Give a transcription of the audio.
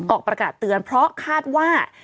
ออกประกาศเตือนเพราะคาดว่า